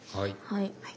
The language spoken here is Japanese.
はい。